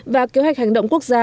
và kế hoạch hành động quốc gia